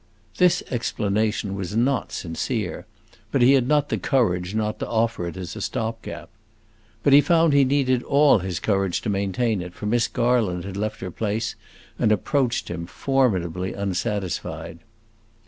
This explanation was not sincere; but he had not the courage not to offer it as a stop gap. But he found he needed all his courage to maintain it, for Miss Garland had left her place and approached him, formidably unsatisfied.